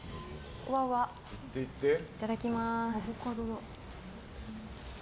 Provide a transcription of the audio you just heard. いただきます。